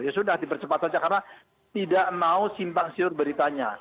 ya sudah dipercepat saja karena tidak mau simpang siur beritanya